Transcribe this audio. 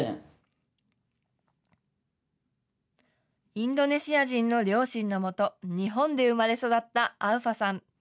インドネシア人の両親の元、日本で生まれ育ったアウファさん。